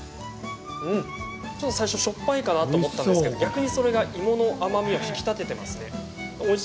最初、しょっぱいかなと思ったんですけど逆にそれが芋の甘みを引き立ててますね。